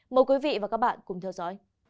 mời quý vị và các bạn cùng theo dõi